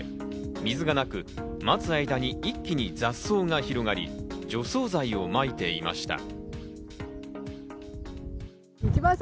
水がなく、待つ間に一気に雑草が広がり、除草剤を撒いていました。